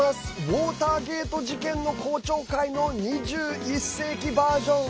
ウォーターゲート事件の公聴会の２１世紀バージョン。